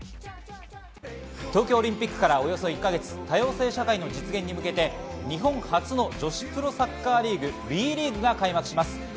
東京オリンピックからおよそ１か月、多様性社会の実現に向けて日本初の女子プロサッカーリーグ、ＷＥリーグが開幕します。